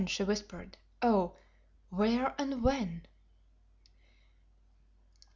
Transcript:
she whispered. "Oh! where and when?"